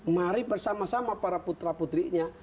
mari bersama sama para putra putrinya